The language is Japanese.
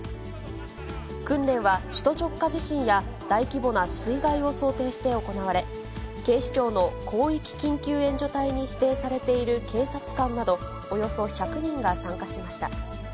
訓練は首都直下地震や大規模な水害を想定して行われ、警視庁の広域緊急援助隊に指定されている警察官などおよそ１００人が参加しました。